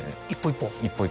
一歩一歩？